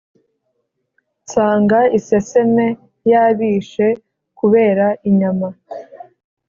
Nsanga iseseme yabishe kubera inyama